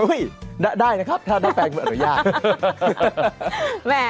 อุ๊ยได้นะครับถ้าได้แปลงมันอร่อยยาก